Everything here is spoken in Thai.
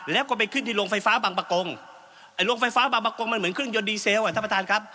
แล้วก็ไปขึ้นที่โรงไฟฟ้าบางประกงไอ้โรงไฟฟ้าบางประกงมันเหมือนเครื่องยนต์ดีเซลอ่ะท่านประธานครับ